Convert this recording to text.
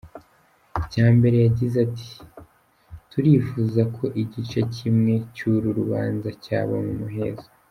Icya mbere yagize ati “Turifuza ko igice kimwe cy’uru rubanza cyaba mu muhezo”.